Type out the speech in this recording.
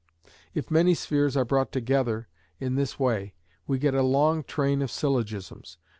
If many spheres are brought together in this way we get a long train of syllogisms.